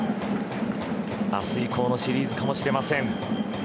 明日以降のシリーズかもしれません。